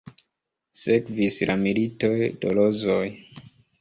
Sekvis la Militoj de Rozoj.